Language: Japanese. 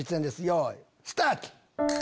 よいスタート！